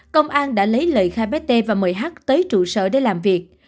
công an đã lấy lời khai bé t và mời hát tới trụ sở để làm việc